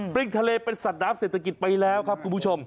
ทะเลเป็นสัตว์น้ำเศรษฐกิจไปแล้วครับคุณผู้ชม